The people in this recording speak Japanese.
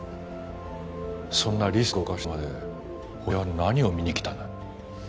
そんなリスクを冒してまでホシは何を見に来たんだ？